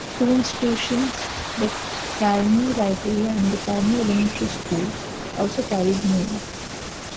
Two institutions, the Carney Library and the Carney Elementary School, also carry the name.